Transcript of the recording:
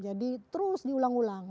jadi terus diulang ulang